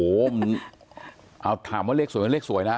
โอ้โหถามว่าเลขสวยเลขสวยนะ